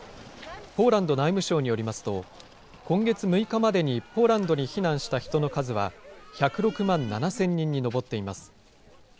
ポーランド内務省によりますと、今月６日までにポーランドに避難した人の数は、１０６万７０００人に上っています。